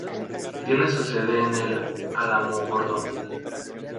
Tiene su sede en Alamogordo.